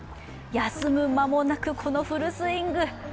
休む間もなくこのフルスイング。